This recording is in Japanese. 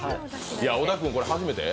小田くん、これ初めて？